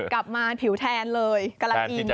กลับมาผิวแทนเลยกำลังอิน